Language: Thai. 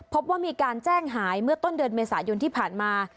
พบว่ามีการแจ้งหายเมื่อต้นเดือนเมษายนที่ผ่านมา